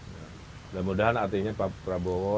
mudah mudahan artinya pak prabowo